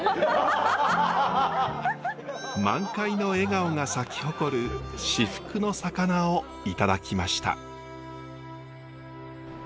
満開の笑顔が咲き誇る至福の魚をいただきました。